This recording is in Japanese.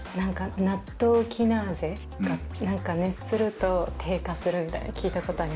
「ナットウキナーゼが熱すると低下するみたいな聞いたことあります」